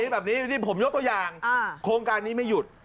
แบบนี้นี่ผมยกตัวอย่างโครงการนี้ไม่หยุด